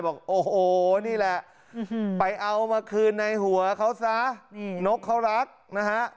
บอกโอ้โหนี่แหละไปเอามาคืนในหัวเขาซะนกเขารักนะฮะ